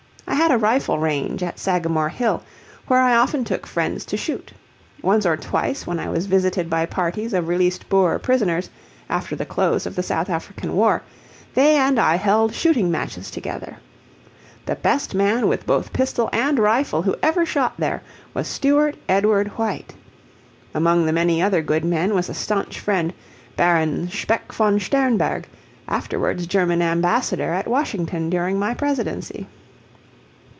I had a rifle range at Sagamore Hill, where I often took friends to shoot. Once or twice when I was visited by parties of released Boer prisoners, after the close of the South African War, they and I held shooting matches together. The best man with both pistol and rifle who ever shot there was Stewart Edward White. Among the many other good men was a stanch friend, Baron Speck von Sternberg, afterwards German Ambassador at Washington during my Presidency.